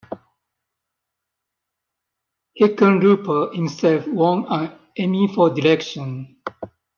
Hickenlooper himself won an Emmy for direction.